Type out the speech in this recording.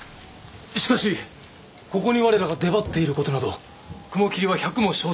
しかしここに我らが出張っている事など雲霧は百も承知のはず。